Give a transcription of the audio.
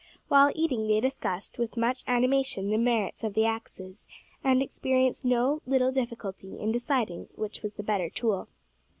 While eating, they discussed, with much animation, the merits of the axes, and experienced no little difficulty in deciding which was the better tool.